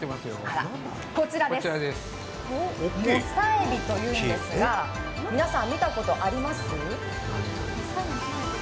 こちらです、モサエビというんですが皆さん、見たことあります？